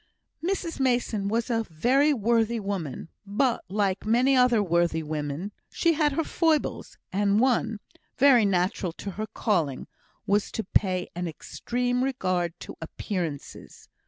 Mrs Mason was a very worthy woman, but, like many other worthy women, she had her foibles; and one (very natural to her calling) was to pay an extreme regard to appearances.